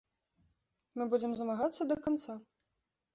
Мы будзем змагацца да канца.